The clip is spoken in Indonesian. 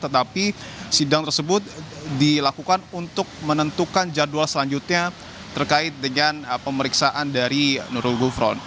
tetapi sidang tersebut dilakukan untuk menentukan jadwal selanjutnya terkait dengan pemeriksaan dari nurul gufron